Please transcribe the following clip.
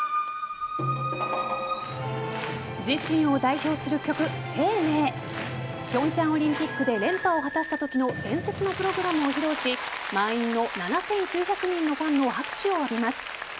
自身を代表する曲「ＳＥＩＭＥＩ」平昌オリンピックで連覇を果たしたときの伝説のプログラムを披露し満員の７９００人のファンの拍手を浴びます。